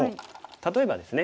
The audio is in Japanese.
例えばですね